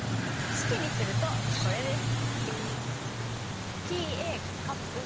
式にするとこれです！